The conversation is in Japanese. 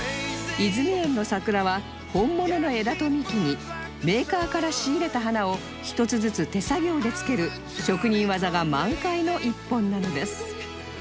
和泉園の桜は本物の枝と幹にメーカーから仕入れた花を一つずつ手作業で付ける職人技が満開の一本なのです